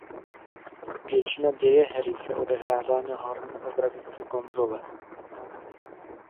Většina děje hry se odehrává na horní obrazovce konzole.